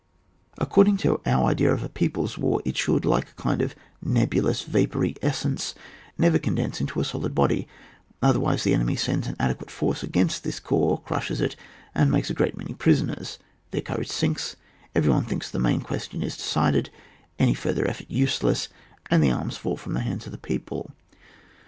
According to our idea of a people's war, it should, like a kind of nebidous vapoury essence, never condense into a solid body ; otherwise the enemy sends an adequate force against this core, crushes it, and makes a great many prisoners; their courage sinks; every one thinks the main question is decided, any further effort useless, and the arms fall from the hands of the people.